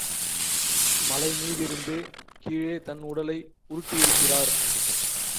மலை மீதிருந்து கீழே தன் உடலை உருட்டியிருக்கிறார்.